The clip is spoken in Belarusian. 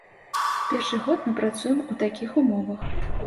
Першы год мы працуем у такіх умовах.